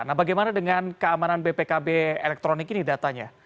nah bagaimana dengan keamanan e pkb elektronik ini datanya